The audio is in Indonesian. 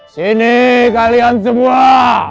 sini kalian semua